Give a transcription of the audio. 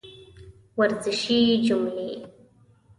ورزشي جملې